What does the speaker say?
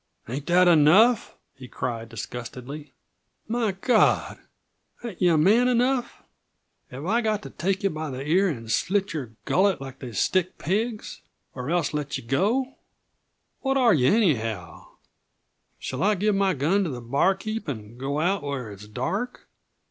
"Ain't that enough?" he cried disgustedly. "My God, ain't yuh man enough Have I got to take yuh by the ear and slit your gullet like they stick pigs or else let yuh go? What are yuh, anyhow? Shall I give my gun to the bar keep and go out where it's dark?